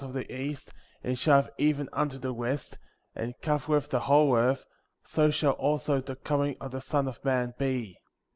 of the east, and sliineth even unto the west, and covereth the whole earth, so shall also the coming of the Son of Man be.